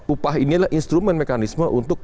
upah ini adalah instrumen mekanisme untuk